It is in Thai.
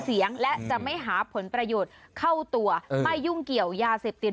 เสียงและจะไม่หาผลประโยชน์เข้าตัวไม่ยุ่งเกี่ยวยาเสพติด